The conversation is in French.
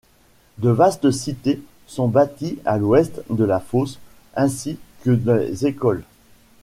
De vastes cités sont bâties à l'ouest de la fosse, ainsi que des écoles.